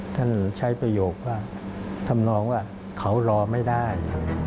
ท่านใช้ประโยคว่าทำนองว่าเขารอไม่ได้